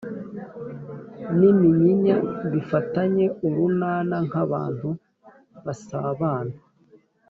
n’iminyinya bifatanye urunana nk’abantu basabana